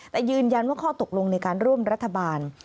แต่ยืนยันว่าข้อตกลงในการร่วมรัฐบาล